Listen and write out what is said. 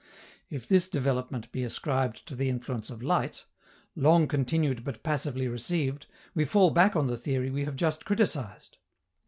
If this development be ascribed to the influence of light, long continued but passively received, we fall back on the theory we have just criticized.